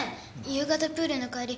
夕方プールの帰り